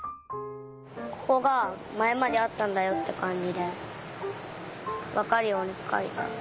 ここがまえまであったんだよってかんじでわかるようにかいた。